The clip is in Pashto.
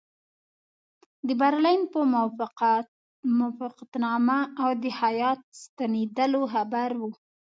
د برلین په موافقتنامه او د هیات ستنېدلو خبر وو.